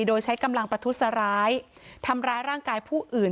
โดยใช้กำลังประทุษร้ายทำร้ายร่างกายผู้อื่น